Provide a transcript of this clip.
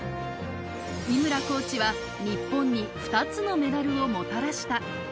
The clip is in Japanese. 井村コーチは日本に２つのメダルをもたらした。